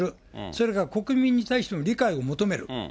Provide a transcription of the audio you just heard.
それから国民に対しても理解を求める。